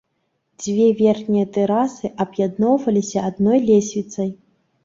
Дзве верхнія тэрасы аб'ядноўваліся адной лесвіцай.